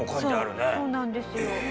そうなんですよ。